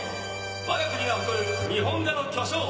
わが国が誇る日本画の巨匠